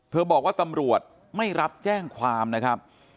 บอกว่าตำรวจไม่รับแจ้งความนะครับ